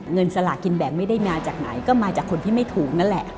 สลากินแบ่งไม่ได้มาจากไหนก็มาจากคนที่ไม่ถูกนั่นแหละ